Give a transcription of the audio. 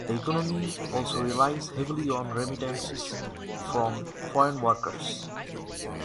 The economy also relies heavily on remittances from foreign workers.